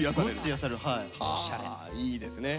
いいですね。